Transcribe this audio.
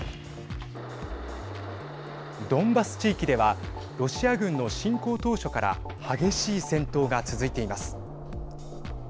ドンバス地域ではロシア軍の侵攻当初から激しい戦闘が続いています。